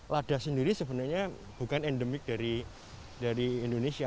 lada sendiri sebenarnya bukan endemik dari indonesia